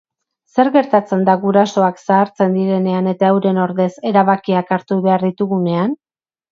Zer gertatzen da gurasoak zahartzen direnean eta euren ordez erabakiak hartu behar ditugunean?